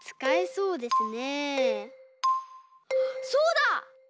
そうだ！